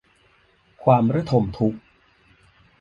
ความระทมทุกข์